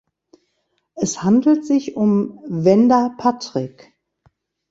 Es handelt sich um Venda Patrick.